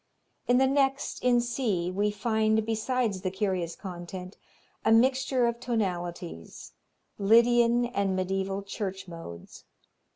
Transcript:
In the next, in C, we find, besides the curious content, a mixture of tonalities Lydian and mediaeval church modes.